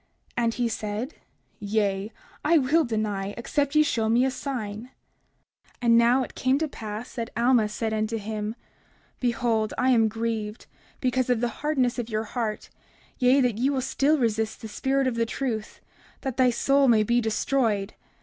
And he said: Yea, I will deny, except ye shall show me a sign. 30:46 And now it came to pass that Alma said unto him: Behold, I am grieved because of the hardness of your heart, yea, that ye will still resist the spirit of the truth, that thy soul may be destroyed.